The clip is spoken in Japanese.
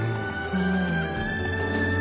うん。